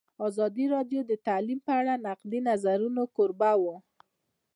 ازادي راډیو د تعلیم په اړه د نقدي نظرونو کوربه وه.